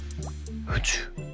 宇宙？